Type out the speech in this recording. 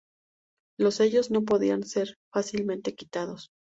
Los sellos no podían ser fácilmente quitados.